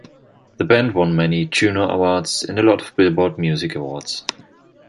The band won many Juno Awards and a lot of Billboard Music Awards.